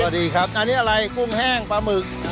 ดีครับอันนี้อะไรกุ้งแห้งปลาหมึก